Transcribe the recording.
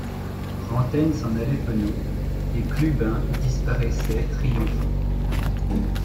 Rantaine s’en allait penaud, et Clubin disparaissait triomphant.